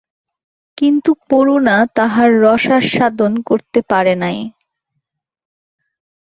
কিন্তু করুণা তাহার রসাস্বাদন করিতে পারে নাই।